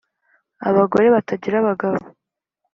-Abagore batagira abagabo.